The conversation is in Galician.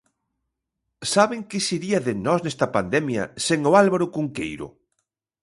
¿Saben que sería de nós nesta pandemia sen o Álvaro Cunqueiro?